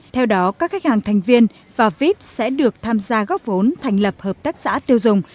theo đó các khách hàng thành viên và vip sẽ được tham gia góp vốn thành lập hợp tác xã tiêu dùng